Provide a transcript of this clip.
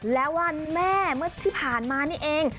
และวันแม่เมื่อที่ผ่านมานี่เอง